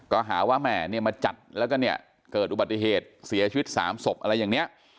ก็หาว่าแหม่เนี่ยมาจัดแล้วก็เนี่ยเกิดอุบัติเหตุเสียชีวิต๓ศพอะไรอย่างนี้